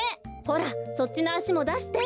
ほらそっちのあしもだして。